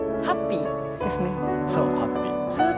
そうハッピー。